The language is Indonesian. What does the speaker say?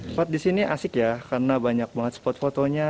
spot disini asik ya karena banyak banget spot fotonya